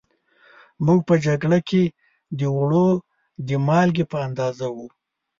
موږ په جگړه کې د اوړو د مالگې په اندازه وو